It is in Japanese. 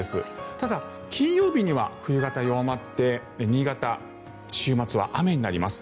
ただ、金曜日には冬型が弱まって新潟、週末は雨になります。